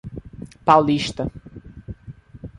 Paulista